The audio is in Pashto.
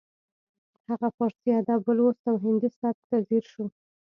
هغه پارسي ادب ولوست او هندي سبک ته ځیر شو